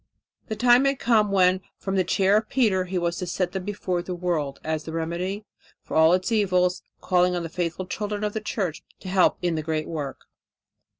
The time had come when from the chair of Peter he was to set them before the world as the remedy for all its evils, calling on the faithful children of the Church to help in the great work.